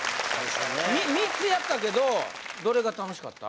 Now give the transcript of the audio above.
３つやったけどどれが楽しかった？